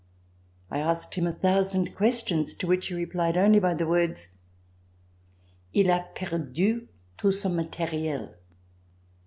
I asked him a thousand questions to which he replied only by the words : "II a perdu tout son materiel